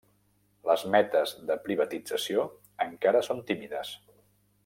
Les metes de privatització encara són tímides.